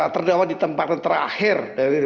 terdapat di tempatan terakhir